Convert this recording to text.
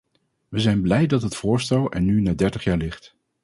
We zijn blij dat het voorstel er nu na dertig jaar ligt.